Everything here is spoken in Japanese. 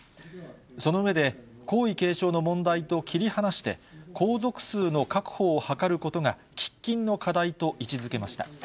その上で、皇位継承の問題と切り離して、皇族数の確保を図ることが喫緊の課題と位置づけました。